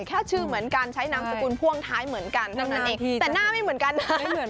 แค่ชื่อเหมือนกันใช้นามสกุลพ่วงท้ายเหมือนกันเท่านั้นเองแต่หน้าไม่เหมือนกันนะ